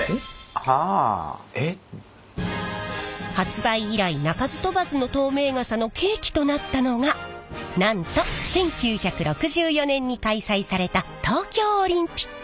えっ？発売以来鳴かず飛ばずの透明傘の契機となったのがなんと１９６４年に開催された東京オリンピック！